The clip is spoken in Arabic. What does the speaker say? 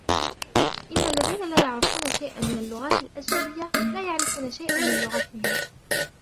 إن الذين لا يعرفون شيئًا من اللغات الأجنبية ، لا يعرفون شيئًا من لغتهم.